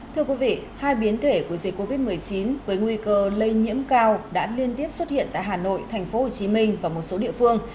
thưa quý vị hai biến thể của dịch covid một mươi chín với nguy cơ lây nhiễm cao đã liên tiếp xuất hiện tại hà nội thành phố hồ chí minh và một số địa phương